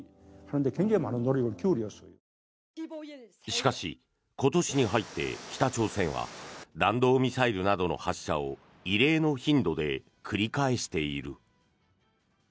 しかし今年に入って北朝鮮は弾道ミサイルなどの発射を異例の頻度で繰り返している。